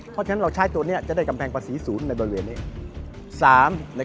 เพราะฉะนั้นเราใช้ตัวจะได้กำแพงประสิทธิ์ศูนย์ในบริเวณเนี้ย